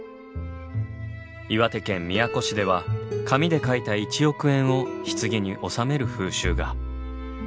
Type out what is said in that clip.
岩手県宮古市では紙で書いた一億円を棺に納める風習が。